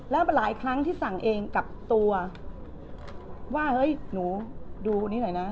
แล้วหลายครั้งที่สั่งเองกับตัวว่าเฮ้ยหนูดูอันนี้หน่อยนะ